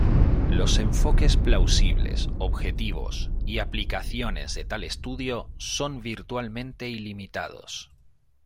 Los enfoques plausibles, objetivos y aplicaciones de tal estudio son virtualmente ilimitados.